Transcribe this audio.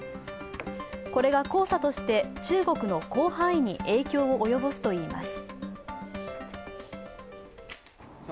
これが黄砂として中国の広範囲に影響を及ぼすといいます。